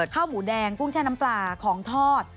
ข้าวหมูแดงกุ้งแช่น้ำปลาของทอด